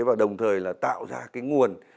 và đồng thời là tạo ra cái nguồn